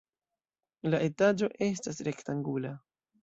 La etaĝo estas rektangula.